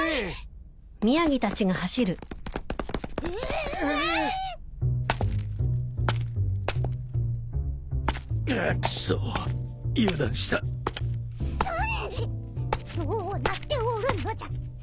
どうなっておるのじゃその体！